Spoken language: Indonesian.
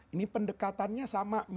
ini pendekatannya sama